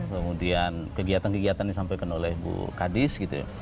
kemudian kegiatan kegiatan ini sampai kena oleh bu kadis gitu ya